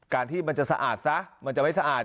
ที่มันจะสะอาดซะมันจะไม่สะอาด